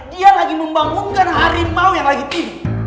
dia lagi membangunkan harimau yang lagi tinggi